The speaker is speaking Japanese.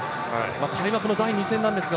開幕の第２戦なんですが、